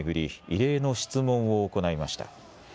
異例の質問を行いました。